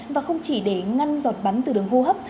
và không chỉ để ngăn giọt bắn từ đường hô hấp